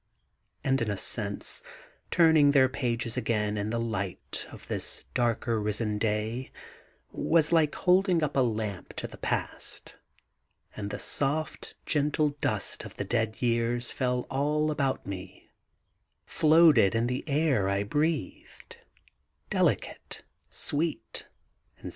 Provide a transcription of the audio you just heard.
And, in a sense, turning theii pages again in the light of this darker risen day was like holding up a lamp to the past; and the soft, gentle dust of the dead years fell all about me, floated in the air I breathed, delicate, sweet, and sad.